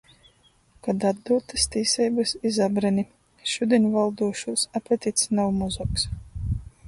Kod atdūtys tīseibys iz Abreni... Šudiņ voldūšūs apetits nav mozuoks!